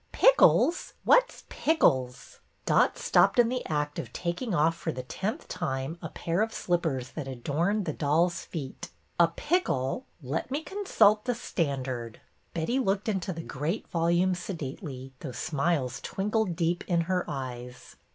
'' Pickles ? Wat 's pickles ?'' Dot stopped in the act of taking oif for the tenth time a pair of slippers that adorned the doll's feet. '' A pickle? Let me consult the ' Standard.' " Betty looked into the great volume sedately, though smiles twinkled deep in her eyes.